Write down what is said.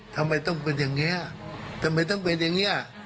ทำไมต้องเป็นอย่างนี้ทำไมต้องเป็นอย่างนี้